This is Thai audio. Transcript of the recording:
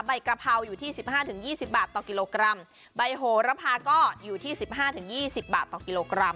กะเพราอยู่ที่สิบห้าถึงยี่สิบบาทต่อกิโลกรัมใบโหระพาก็อยู่ที่สิบห้าถึงยี่สิบบาทต่อกิโลกรัม